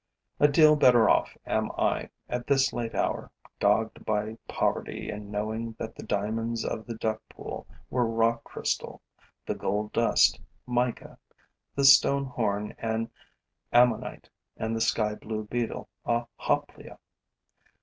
A deal better off am I, at this late hour, dogged by poverty and knowing that the diamonds of the duck pool were rock crystal, the gold dust mica, the stone horn an Ammonite and the sky blue beetle a Hoplia!